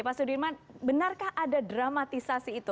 pak sudirman benarkah ada dramatisasi itu